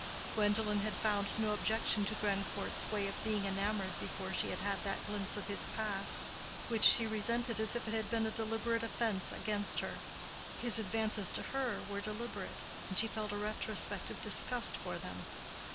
Gwendolen had found no objection to Grandcourt's way of being enamored before she had had that glimpse of his past, which she resented as if it had been a deliberate offense against her. His advances to her were deliberate, and she felt a retrospective disgust for them.